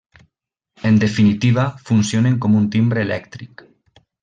En definitiva, funcionen com un timbre elèctric.